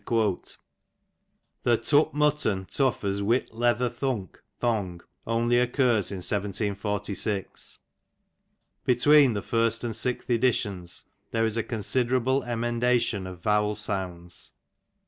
The tup mutton tough as " whit leather thunk" (thong) only occurs in 1746. Between the first and sixth editions there is a considerable emendation of vowel sounds.